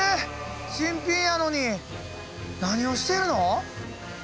新品やのに何をしてるの！？